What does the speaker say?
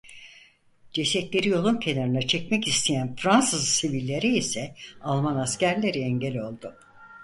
Cesetleri yolun kenarına çekmek isteyen Fransız sivillere ise Alman askerleri engel oldu.